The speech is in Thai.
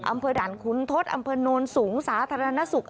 อำเภอด่านขุนทศอำเภอโนนสูงสาธารณสุข